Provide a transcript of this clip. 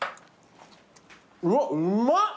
うわうまっ！